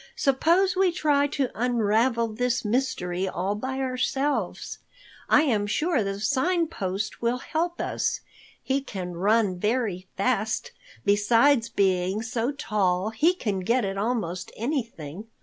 Suppose we try to unravel this mystery all by ourselves. I am sure the Sign Post will help us. He can run very fast, besides being so tall he can get at almost anything.